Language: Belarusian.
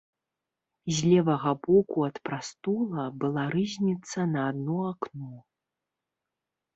З левага боку ад прастола была рызніца на адно акно.